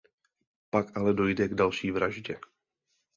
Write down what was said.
Pak ale dojde k další vraždě.